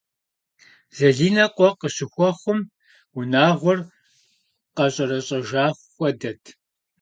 Залинэ къуэ къыщыхуэхъум, унагъуэр къэщӏэрэщӏэжа хуэдэт.